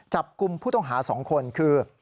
จับกลุ่มผู้ต้องหา๒คนคือ